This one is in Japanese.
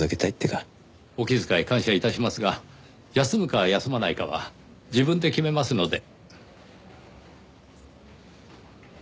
お気遣い感謝致しますが休むか休まないかは自分で決めますので。